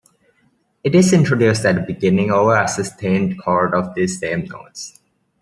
It is introduced at the beginning over a sustained chord of these same notes.